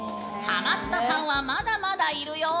ハマったさんはまだまだいるよ。